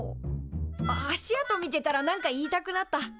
あ足跡見てたら何か言いたくなった。